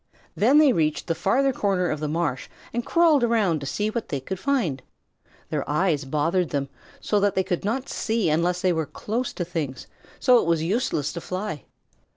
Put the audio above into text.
Then they reached the farther corner of the marsh and crawled around to see what they could find. Their eyes bothered them so that they could not see unless they were close to things, so it was useless to fly.